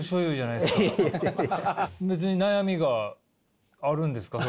別に悩みがあるんですか？